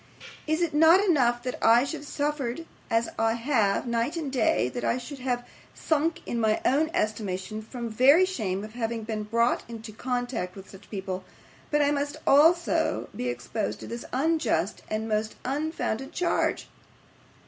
Is it not enough that I should have suffered as I have, night and day; that I should almost have sunk in my own estimation from very shame of having been brought into contact with such people; but must I also be exposed to this unjust and most unfounded charge!